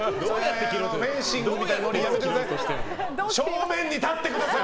フェンシングみたいなノリやめてください！